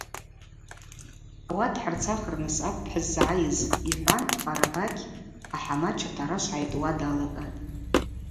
Ауат хӏырцахырныс акӏвпӏ хӏыззгӏайыз,–йхӏван Къарбакь ахӏамач атарашв гӏайтӏуа далагатӏ.